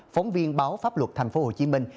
phóng viên báo pháp luật thành phố hồ chí minh